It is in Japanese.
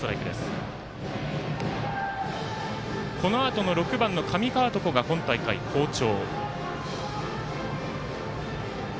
このあとの６番の上川床が今大会好調。